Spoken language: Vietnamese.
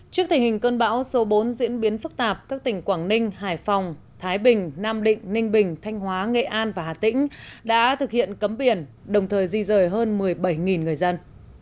trước tình hình cơn bão số bốn diễn biến phức tạp các tỉnh quảng ninh hải phòng thái bình nam định ninh bình thanh hóa nghệ an và hà tĩnh đã thực hiện cấm biển đồng thời di rời hơn một mươi bảy người dân